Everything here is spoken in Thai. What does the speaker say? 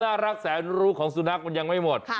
แสนรู้ของสุนัขมันยังไม่หมด